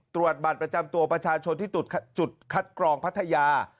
ตรวจบัตรประจำตัวประชาชนที่จุดคัดกรองพัทยา